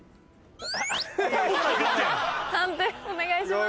判定お願いします。